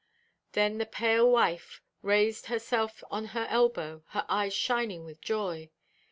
Then the pale wife raised herself on her elbow, her eyes shining with joy.